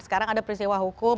sekarang ada peristiwa hukum